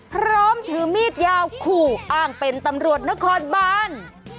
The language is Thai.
พร้อมถือมีดยาวขู่อ้างเป็นตำรวจนครบาน